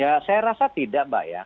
ya saya rasa tidak mbak ya